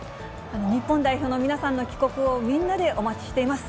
日本代表の皆さんの帰国をみんなでお待ちしています。